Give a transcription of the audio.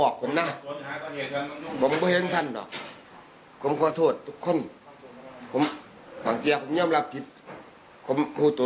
ขอโทษครับผม